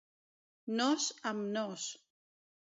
Nos amb nos.